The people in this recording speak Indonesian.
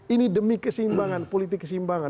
ini demi kesimbangan politik kesimbangan